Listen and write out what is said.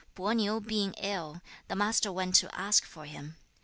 Po niu being ill, the Master went to ask for him.